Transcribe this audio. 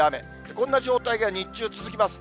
こんな状態が日中続きます。